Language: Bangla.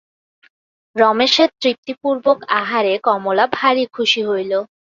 রমেশের তৃপ্তিপূর্বক আহারে কমলা ভারি খুশি হইল।